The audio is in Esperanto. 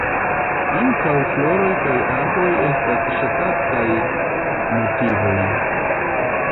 Ankaŭ floroj kaj arboj estas ŝatataj motivoj.